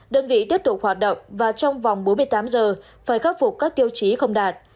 đơn vị tiếp tục hoạt động và trong vòng bốn mươi tám giờ phải khắc phục các tiêu chí không đạt